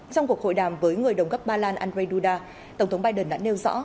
trong cuộc hội đàm với người đồng gấp ba lan andrei duda tổng thống biden đã nêu rõ